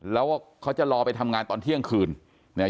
แล้วเขาจะรอไปทำงานตอนเที่ยงคืนเนี่ย